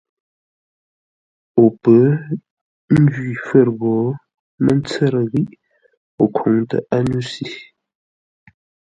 O pə̌ njwí fə̂r gho mə́ tsə́rə́ ghiʼ o khwoŋtə ányúsʉ.